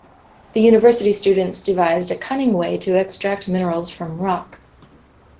The university students devised a cunning way to extract minerals from rock.